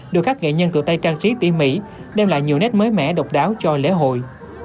được các nghệ nhân tựa tay trang trí tỉ mỉ đem lại nhiều nét mới mẻ độc đáo cho lễ hội